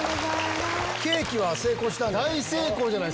ケーキは成功したんじゃない？